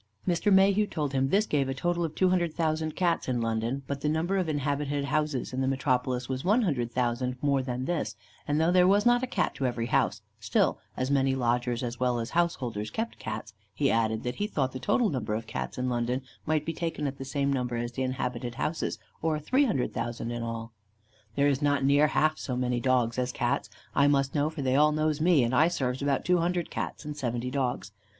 '" Mr. Mayhew told him this gave a total of 200,000 Cats in London, but the number of inhabited houses in the Metropolis was 100,000 more than this, and though there was not a Cat to every house, still, as many lodgers as well as householders kept Cats, he added, "that he thought the total number of Cats in London might be taken at the same number as the inhabited houses, or 300,000 in all." "'There is not near half so many Dogs as Cats; I must know, for they all knows me, and I serves about 200 Cats and 70 dogs.